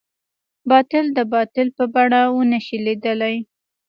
باطل د باطل په بڼه ونه شي ليدلی.